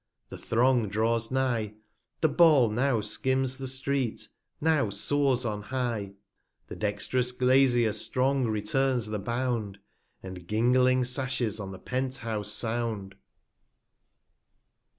the Throng draws nigh, 23 1 The Ball now Skims the Street, now soars on high; The dext'rous Glazier strong returns the Bound, And gingling Sashes on the Pent house sound.